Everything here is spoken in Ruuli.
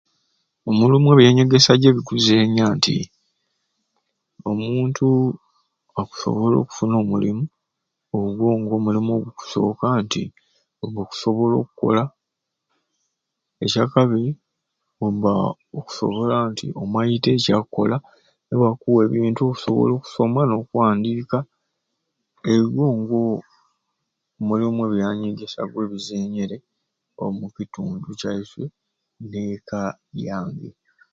Omulimu ebyanyegesya gyebikuzeenya nti omuntu akusobola okufuna omulimu oba ogwo omulimu gukusoboka nti oba okusobola okukola, ekyakabiri obba okusobola nti omaite ekyakukola nibakuwa ebintu okusobola okusoma n'okuwandiika ebyo ngwo mulimu ebyanyegesya gwebizeenyere omu kitundu kyaiswe n'eka yange.